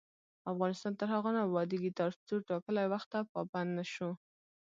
افغانستان تر هغو نه ابادیږي، ترڅو ټاکلي وخت ته پابند نشو.